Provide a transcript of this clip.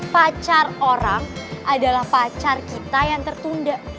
pacar orang adalah pacar kita yang tertunda